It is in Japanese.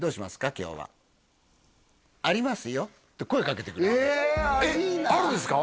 今日はって声かけてくれるえっあるんですか？